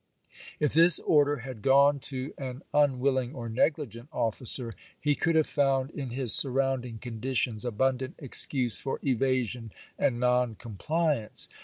If this order had gone to an unwilling or negligent officer, he could have found in his surrounding conditions abun dant excuse for evasion and non compliance.